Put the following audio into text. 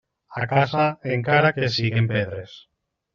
A casa, encara que siguen pedres.